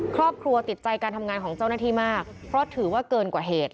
ครอบครัวติดใจการทำงานของเจ้าหน้าที่มากเพราะถือว่าเกินกว่าเหตุ